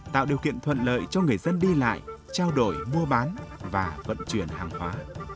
tạo điều kiện thuận lợi cho người dân đi lại trao đổi mua bán và vận chuyển hàng hóa